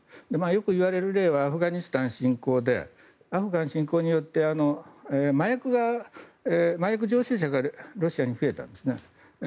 よくいわれる例はアフガニスタン侵攻でアフガン侵攻によって麻薬常習者がロシアに増えたんですね。